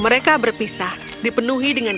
mereka berpisah dipenuhi dengan